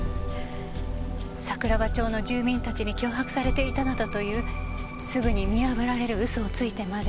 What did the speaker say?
桜庭町の住民たちに脅迫されていたなどというすぐに見破られる嘘をついてまで。